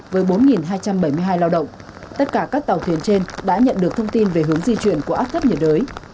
với bốn hai trăm bảy mươi hai lao động tất cả các tàu thuyền trên đã nhận được thông tin về hướng di chuyển của áp thấp nhiệt đới